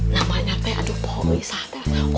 namanya teh aduh pomi saatnya